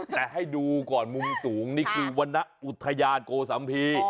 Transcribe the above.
แต่ให้ดูก่อนมุมสูงนี่คือวันนะอุทยาลโกสัมพิพี